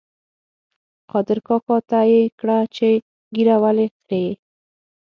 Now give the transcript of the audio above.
قادر کاکا ته یې کړه چې ږیره ولې خرېیې؟